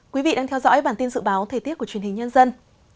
quý vị đang theo dõi bản tin dự báo thời tiết của truyền hình nhân dân